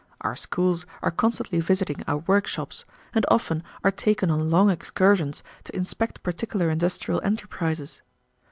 Our schools are constantly visiting our workshops, and often are taken on long excursions to inspect particular industrial enterprises.